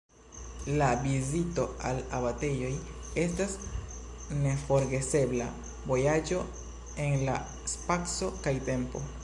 La vizito al abatejoj estas neforgesebla vojaĝo en la spaco kaj tempo.